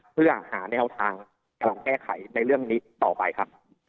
เพื่อหาแนวทางการแก้ไขในเรื่องนี้ต่อไปครับ